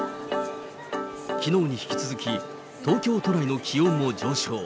きのうに引き続き、東京都内の気温も上昇。